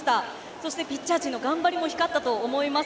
そして、ピッチャー陣の頑張りも光ったと思います。